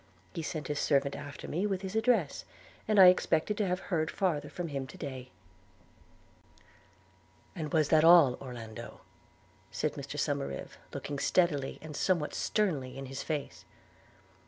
He sent his servant after me with his address; and I expected to have heard farther from him to day.' 'And was that all, Orlando?' said Mr Somerive, looking steadily, and somewhat sternly, in his face.